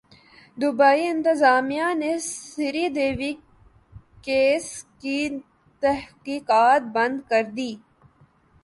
Dubai انتظامیہ نے Sri Devi case کی تحقیقات بند کردی